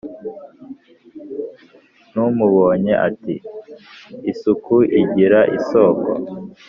n’umubonye ati”isuku igira isoko”